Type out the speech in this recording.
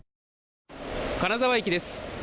金沢駅です。